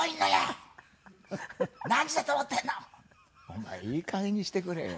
「お前いいかげんにしてくれよ」